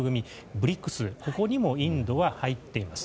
ＢＲＩＣＳにもインドは入っています。